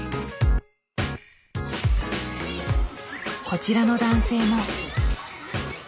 こちらの男性も。